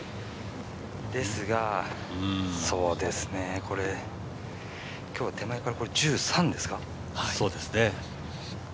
ですが、今日手前から１３ですか。